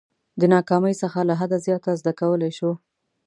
د ناکامۍ څخه له حده زیات زده کولای شو.